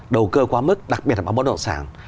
đầu cơ quá mức đặc biệt là vào bất động sản